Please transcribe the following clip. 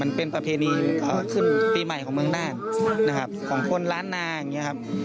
มันเป็นประเทศนีย์ขึ้นปีใหม่ของเมืองน่านนะครับของคนล้านนางอย่างเงี้ยครับ